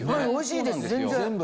おいしいです全然。